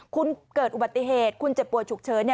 คุณเกิดอุบัติเหตุคุณเจ็บป่วยฉุกเฉิน